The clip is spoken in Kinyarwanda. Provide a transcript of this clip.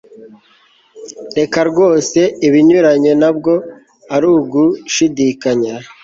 reka rwose. ibinyuranye ntabwo ari ugushidikanya